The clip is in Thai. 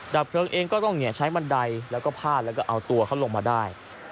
ดับเพลิงเองก็ต้องใช้บันไดแล้วก็พาดแล้วก็เอาตัวเขาลงมาได้